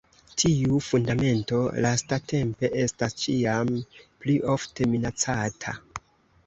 Tiu fundamento lastatempe estas ĉiam pli ofte minacata.